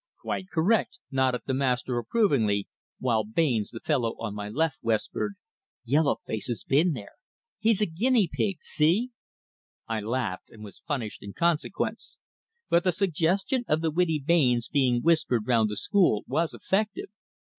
"Quite correct," nodded the master approvingly, while Baynes, the fellow on my left, whispered: "Yellow Face has been there! He's a Guinea Pig see?" I laughed and was punished in consequence, but the suggestion of the witty Baynes being whispered round the school was effective.